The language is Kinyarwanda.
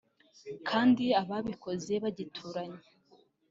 kandi ababikoze bagituranye